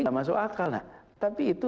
tidak masuk akal tapi itu